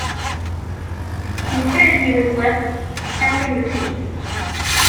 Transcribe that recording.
He said he was left "counting the pennies".